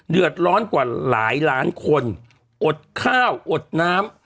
เดือดร้อนกว่าหลายล้านคนอดข้าวอดน้ำ